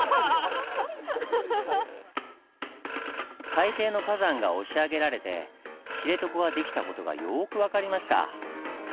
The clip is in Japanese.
海底の火山が押し上げられて知床が出来た事がよく分かりました。